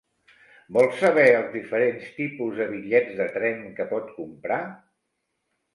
Vol saber els diferents tipus de bitllets de tren que pot comprar?